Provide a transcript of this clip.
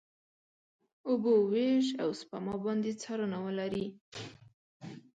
اوبو وېش، او سپما باندې څارنه ولري.